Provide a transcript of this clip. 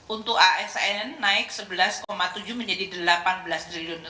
untuk asn naik rp sebelas tujuh menjadi rp delapan belas triliun